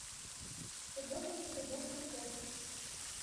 Тыгодым тудо воштыл колтыш.